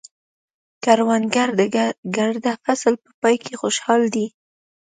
کروندګر د ګرده فصل په پای کې خوشحال دی